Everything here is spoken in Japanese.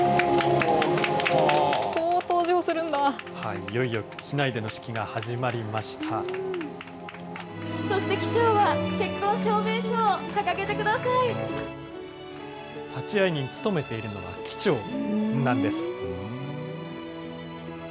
いよいよ機内での式が始まりそして機長は、立会人、務めているのは機長なんです。